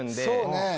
そうね。